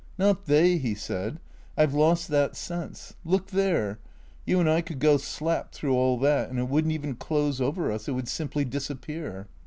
" Not they," he said. " I 've lost that sense. Look there — you and I could go slap through all that, and it would n't even close over us ; it would simply disappear."